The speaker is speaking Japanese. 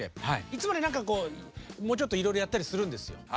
いつもはもうちょっといろいろやったりするんですよ。